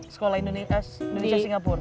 sekolah indonesia singapura